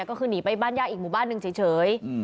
ก็คือหนีไปบ้านญาติอีกหมู่บ้านหนึ่งเฉย